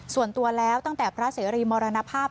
ส่วนตัวแล้วตั้งแต่พระเสรีมรณภาพ